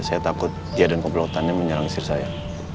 saya takut dia dan komplotannya menyerang istri saya